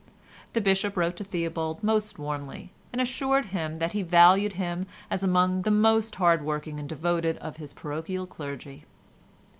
The bishop wrote to Theobald most warmly, and assured him that he valued him as among the most hard working and devoted of his parochial clergy.